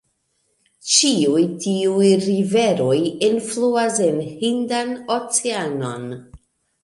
Ĉiuj tiuj riveroj enfluas en Hindan Oceanon.